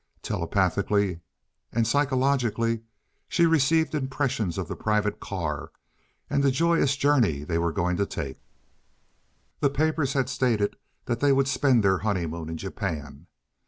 Telepathically and psychologically she received impressions of the private car and of the joyous journey they were going to take. The papers had stated that they would spend their honeymoon in Japan.